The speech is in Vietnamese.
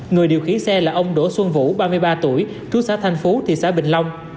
người điều khiển xe là ông đỗ xuân vũ ba mươi ba tuổi trú xã thành phú thị xã bình long